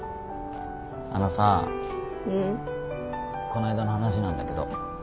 この間の話なんだけど。